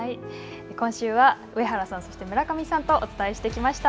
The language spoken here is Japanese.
今週は上原さんそして村上さんとお伝えしてきました。